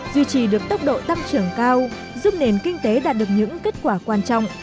duy trì được tốc độ tăng trưởng cao giúp nền kinh tế đạt được những kết quả quan trọng